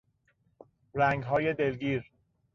رنگهای دلگیر